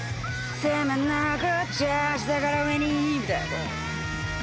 攻めなくちゃ下から上にみたいな。